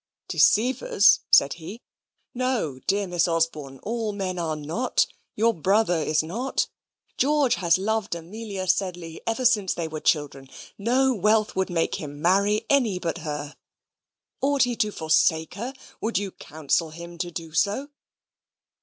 "Deceivers!" said he. "No, dear Miss Osborne, all men are not; your brother is not; George has loved Amelia Sedley ever since they were children; no wealth would make him marry any but her. Ought he to forsake her? Would you counsel him to do so?"